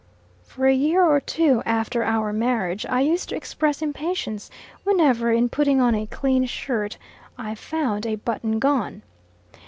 For a year or two after our marriage, I used to express impatience, whenever, in putting on a clean shirt, I found a button gone.